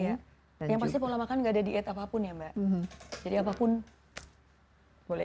ya yang pasti pola makan gak ada diet apapun ya mbak jadi apapun boleh